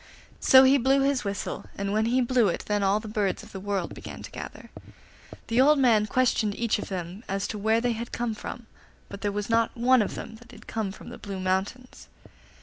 So he blew his whistle, and when he blew it then all the birds of the world began to gather. The old man questioned each of them as to where they had come from, but there was not one of them that had come from the Blue Mountains.